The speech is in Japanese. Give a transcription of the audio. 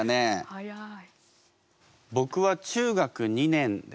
早い。